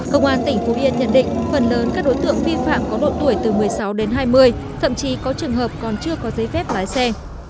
công an tỉnh phú yên nhận định phần lớn các đối tượng vi phạm có độ tuổi từ một mươi sáu đến hai mươi thậm chí có trường hợp còn chưa có giấy phép lái xe